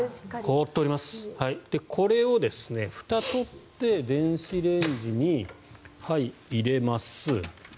これをふたを取って電子レンジに入れます。